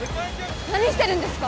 何してるんですか？